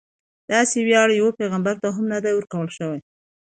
داسې ویاړ یو پیغمبر ته هم نه دی ورکړل شوی.